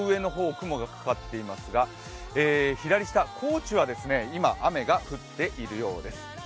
雲がかかっていますが左下、高知は今、雨が降っているようです。